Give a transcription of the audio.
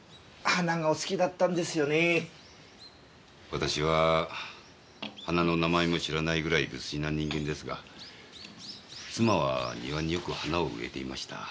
私は花の名前も知らないぐらい無粋な人間ですが妻は庭によく花を植えていました。